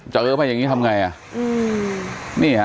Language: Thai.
จะเอิ้มถึงแบบอย่างงี้อยู่ตรฐานทำไงอ่ะอืมนี่ฮะ